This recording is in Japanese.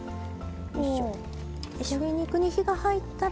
鶏肉に火が入ったら。